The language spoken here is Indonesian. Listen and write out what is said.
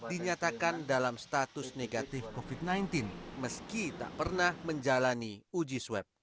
dinyatakan dalam status negatif covid sembilan belas meski tak pernah menjalani uji swab